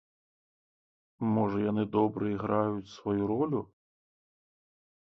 Можа, яны добра іграюць сваю ролю.